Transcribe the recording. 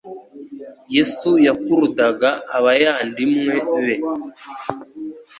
Yesu yakurudaga abayandimwe be